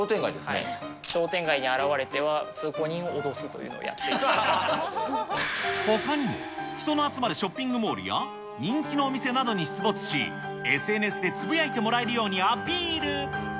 商店街に現れては、ほかにも、人の集まるショッピングモールや、人気のお店などに出没し、ＳＮＳでつぶやいてもらえるようにアピール。